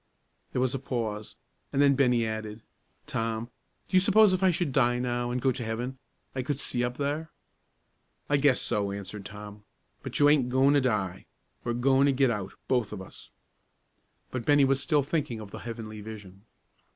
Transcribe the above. There was a pause, and then Bennie added, "Tom, do you s'pose if I should die now an' go to heaven, I could see up there?" "I guess so," answered Tom; "but you aint goin' to die; we're goin' to get out both of us." But Bennie was still thinking of the heavenly vision.